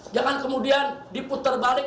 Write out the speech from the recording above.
jangan kemudian diputer balik